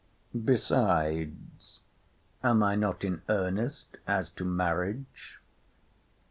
—Besides, am I not in earnest as to marriage?